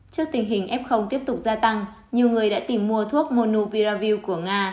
trước tình hình f tiếp tục gia tăng nhiều người đã tìm mua thuốc monupiravild của nga